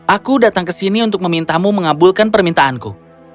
aku datang ke sini untuk memintamu mengabulkan permintaanku